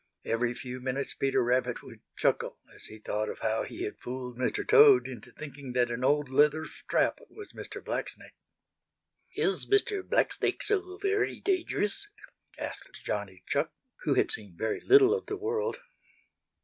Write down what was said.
Every few minutes Peter Rabbit would chuckle as he thought of how he had fooled Mr. Toad into thinking that an old leather strap was Mr. Blacksnake. "Is Mr. Blacksnake so very dangerous?" asked Johnny Chuck, who had seen very little of the world.